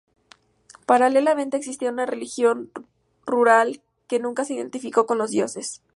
Paralelamente, existía una religión rural que nunca se identificó con los dioses.